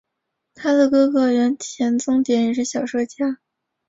她的哥哥原田宗典也是小说家。